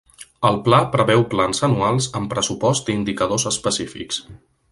El Pla preveu plans anuals amb pressupost i indicadors específics.